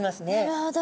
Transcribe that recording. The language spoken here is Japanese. なるほど。